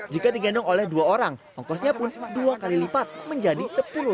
jika digendong oleh dua orang ongkosnya pun dua kali lipat menjadi sepuluh rupiah